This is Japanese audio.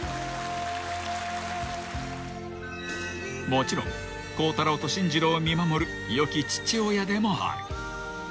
［もちろん孝太郎と進次郎を見守る良き父親でもある］